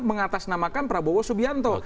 mengatasnamakan prabowo subianto